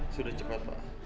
sudah cepat pak